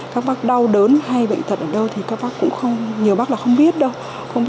các bác đau đớn hay bệnh thật ở đâu thì các bác cũng không nhiều bác là không biết đâu